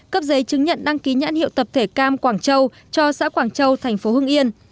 cấp giấy chứng nhận đăng ký nhãn hiệu tập thể cam quảng châu cho xã quảng châu thành phố hưng yên